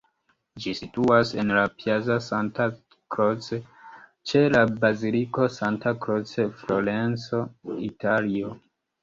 Ĝi situas en la Piazza Santa Croce, ĉe la Baziliko Santa Croce, Florenco, Italio.